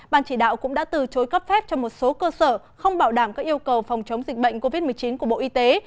ban chỉ đạo cũng đã từ chối cấp phép cho một số cơ sở không bảo đảm các yêu cầu phòng chống dịch bệnh covid một mươi chín của bộ y tế